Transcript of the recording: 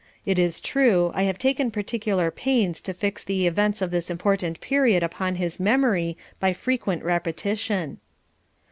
It is true, I have taken particular pains to fix the events of this important period upon his memory by frequent repetition.